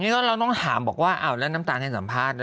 นี่ก็เราต้องถามบอกว่าอ้าวแล้วน้ำตาลให้สัมภาษณ์นะ